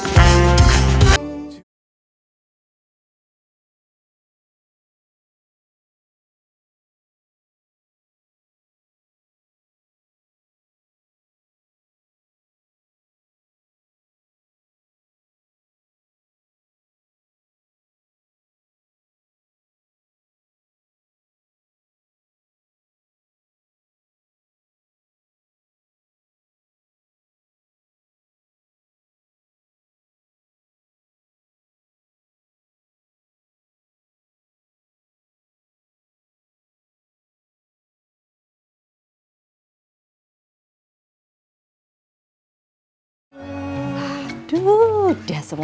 boleh ada di hidup kamu